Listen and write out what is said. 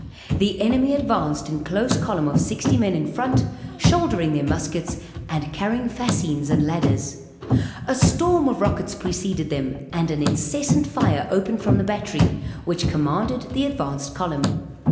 The enemy advanced in close column of sixty men in front, shouldering their muskets and carrying fascines and ladders. A storm of rockets preceded them, and an incessant fire opened from the battery, which commanded the advanced column.